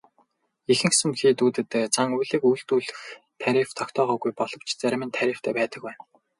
Ихэнх сүм хийдүүдэд зан үйлийг үйлдүүлэх тарифыг тогтоогоогүй боловч зарим нь тарифтай байдаг байна.